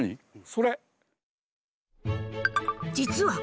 それ。